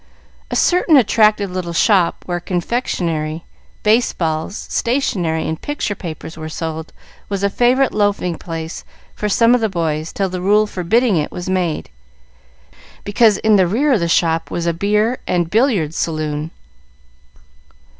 A certain attractive little shop, where confectionery, baseballs, stationery, and picture papers were sold, was a favorite loafing place for some of the boys till the rule forbidding it was made, because in the rear of the shop was a beer and billiard saloon.